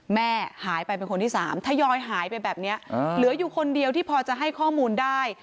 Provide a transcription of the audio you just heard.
แม่หายไปเป็นคนที่สามทยอยหายไปแบบนี้เหลืออยู่คนเดียวที่พอจะให้ข้อมูลได้